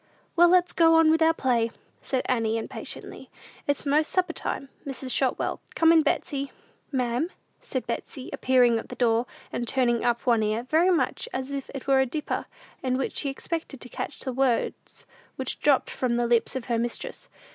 "Well, let's go on with our play," said Annie, impatiently. "It's most supper time, Mrs. Shotwell. Come in, Betsey." "Ma'am?" said Betsey, appearing at the door, and turning up one ear, very much as if it were a dipper, in which she expected to catch the words which dropped from the lips of her mistress.